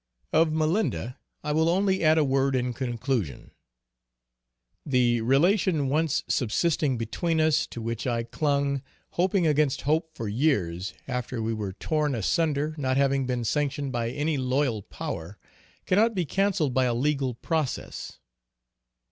Of Malinda I will only add a word in conclusion. The relation once subsisting between us, to which I clung, hoping against hope, for years, after we were torn assunder, not having been sanctioned by any loyal power, cannot be cancelled by a legal process.